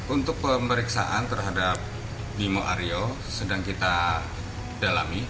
untuk pemeriksaan terhadap bimo aryo sedang kita dalami